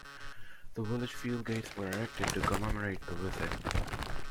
The village field gates were erected to commemorate the visit.